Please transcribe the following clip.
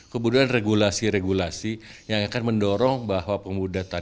kemudian regulasi regulasi yang akan mendorong bahwa pemuda